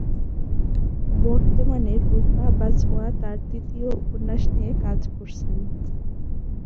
বর্তমানে রূপা বাজওয়া তাঁর তৃতীয় উপন্যাস নিয়ে কাজ করছেন।